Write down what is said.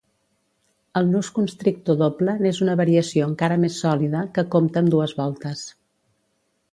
El nus constrictor doble n'és una variació encara més sòlida, que compta amb dues voltes.